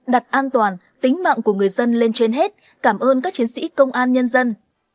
đặt an toàn tính mạng của người dân lên trên hết cảm ơn các chiến sĩ công an nhân dân